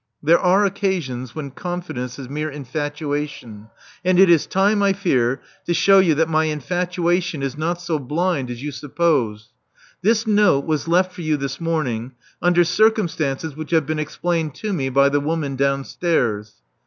There are occasions when confidence is mere infatuation ; and it is time, I fear, to shew you that my infatuation is not so blind as you suppose. This note was left for you this morn ing, under circumstances which have been explained to me by the woman downstairs."